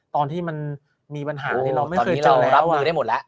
ตอนที่มันมีปัญหาที่เราไม่เคยเจอแล้วโอ้ตอนนี้เรารับมือได้หมดแหละ